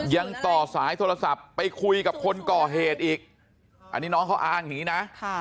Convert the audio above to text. ยังต่อสายโทรศัพท์ไปคุยกับคนก่อเหตุอีกอันนี้น้องเขาอ้างอย่างนี้นะ